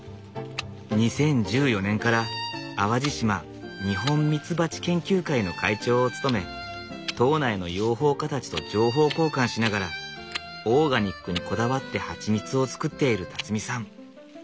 ２０１４年から淡路島日本蜜蜂研究会の会長を務め島内の養蜂家たちと情報交換しながらオーガニックにこだわってハチミツを作っているさん。